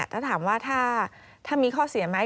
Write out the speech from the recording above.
ถ้าถามว่าถ้ามีข้อเสียไหม